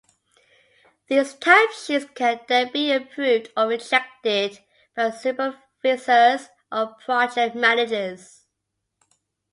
These timesheets can then be approved or rejected by supervisors or project managers.